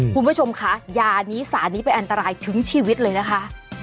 คุณผู้ชมคะยานี้สารนี้เป็นอันตรายถึงชีวิตเลยนะคะ